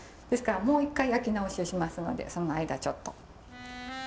ですからもう一回焼き直しをしますのでその間ちょっと。